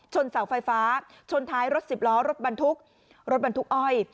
เสาไฟฟ้าชนท้ายรถสิบล้อรถบรรทุกรถบรรทุกอ้อย